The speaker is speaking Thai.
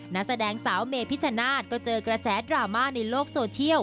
นักแสดงสาวเมพิชชนาธิ์ก็เจอกระแสดราม่าในโลกโซเชียล